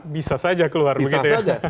bisa saja keluar begitu ya